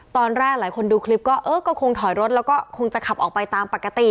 ตอนแรกหลายคนดูคลิปก็เออก็คงถอยรถแล้วก็คงจะขับออกไปตามปกติ